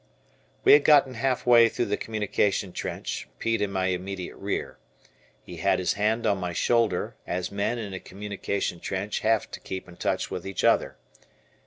We had gotten half way through the communication trench, Pete in my immediate rear. He had his hand on my shoulder, as men in a communication trench have to keep in touch with each Other.